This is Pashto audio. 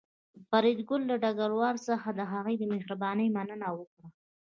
فریدګل له ډګروال څخه د هغه د مهربانۍ مننه وکړه